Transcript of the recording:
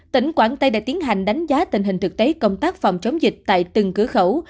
tỉnh quảng tây đã tiến hành đánh giá tình hình thực tế công tác phòng chống dịch tại từng cửa khẩu